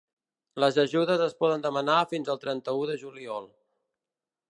Les ajudes es poden demanar fins el trenta-u de juliol.